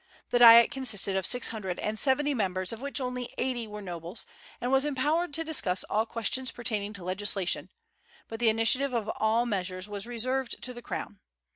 The Diet consisted of six hundred and seventy members, of which only eighty were nobles, and was empowered to discuss all questions pertaining to legislation; but the initiative of all measures was reserved to the crown.